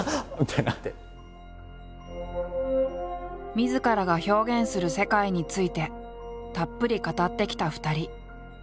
みずからが表現する世界についてたっぷり語ってきた２人。